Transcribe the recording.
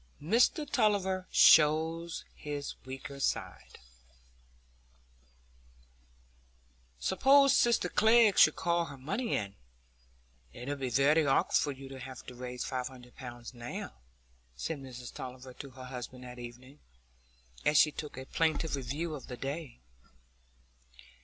Mr Tulliver Shows His Weaker Side "Suppose sister Glegg should call her money in; it 'ud be very awkward for you to have to raise five hundred pounds now," said Mrs Tulliver to her husband that evening, as she took a plaintive review of the day.